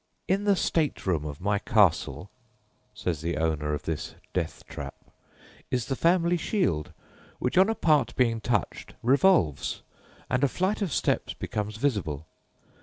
"In the state room of my castle," says the owner of this death trap, "is the family shield, which on a part being touched, revolves, and a flight of steps becomes visible.